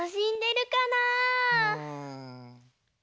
うん。